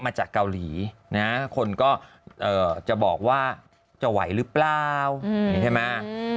มาจากเกาหลีนะคนก็จะบอกว่าจะไหวหรือเปล่าใช่ไหม